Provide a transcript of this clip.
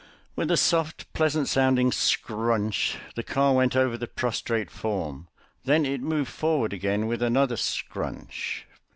With a soft, pleasant sounding scrunch the car went over the prostrate form, then it moved forward again with another scrunch.